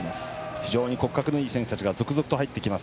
非常に骨格のいい選手たちが入ってきます。